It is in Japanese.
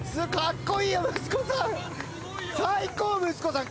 最高息子さん。